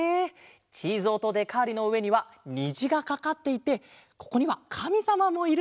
チーゾウとデカーリのうえにはにじがかかっていてここにはかみさまもいる。